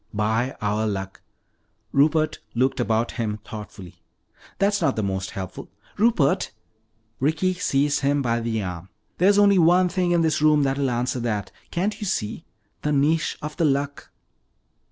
"'By our Luck.'" Rupert looked about him thoughtfully. "That's not the most helpful " "Rupert!" Ricky seized him by the arm. "There's only one thing in this room that will answer that. Can't you see? The niche of the Luck!"